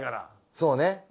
そうね。